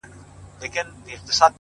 سیاه پوسي ده، مرگ خو یې زوی دی،